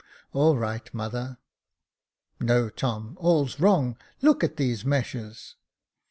" All right, mother." " No, Tom, all's wrong ; look at these meshes